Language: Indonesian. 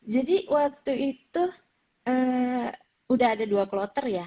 jadi waktu itu udah ada dua kloter ya